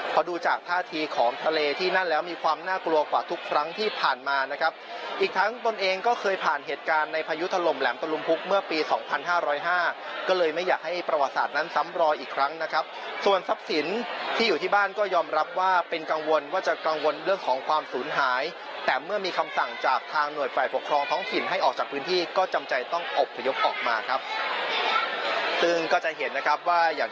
พอดูจากท่าทีของทะเลที่นั่นแล้วมีความน่ากลัวกว่าทุกครั้งที่ผ่านมานะครับอีกทั้งตนเองก็เคยผ่านเหตุการณ์ในพยุทรลมแหลมตะลุมพุกเมื่อปีสองพันห้าร้อยห้าก็เลยไม่อยากให้ประวัติศาสตร์นั้นซ้ำรอยอีกครั้งนะครับส่วนทรัพย์สินที่อยู่ที่บ้านก็ยอมรับว่าเป็นกังวลว่าจะกังวลเรื่องของความสูญหาย